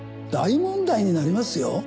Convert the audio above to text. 大問題になりますよ。